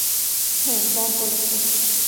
হ্যাঁ, বব বলেছে।